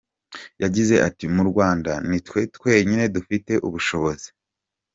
Yagize ati “Mu Rwanda ni twe twenyine dufite ubushobozi.